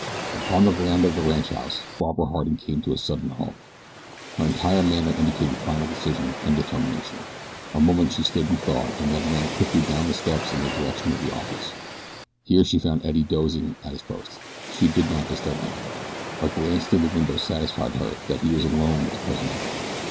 Upon the veranda of the ranchhouse Barbara Harding came to a sudden halt. Her entire manner indicated final decision, and determination. A moment she stood in thought and then ran quickly down the steps and in the direction of the office. Here she found Eddie dozing at his post. She did not disturb him. A glance through the window satisfied her that he was alone with the prisoner.